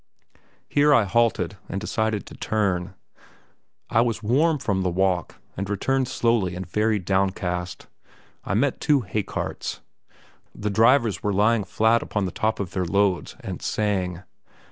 Here I halted and decided to turn. I was warm from the walk, and returned slowly and very downcast. I met two hay carts. The drivers were lying flat upon the top of their loads, and sang.